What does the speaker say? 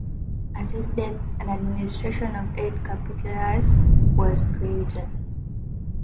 At his death, an administration of eight "capitulaires" was created.